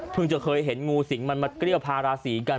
เพิ่งจะเคยเห็นงูสิงมันมากระเกรียวภาราศิกัน